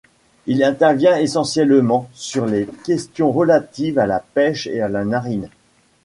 Il intervient essentiellement sur les questions relatives à la pêche et à la marine.